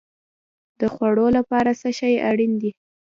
د خوړو لپاره څه شی اړین دی؟